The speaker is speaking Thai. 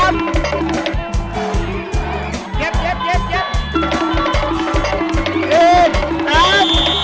เร็วเร็ว